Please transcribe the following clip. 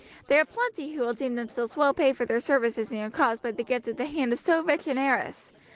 There are plenty who will deem themselves well paid for their services in your cause by the gift of the hand of so rich an heiress.